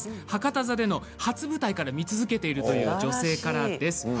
博多座での初舞台から見続けているという女性からです。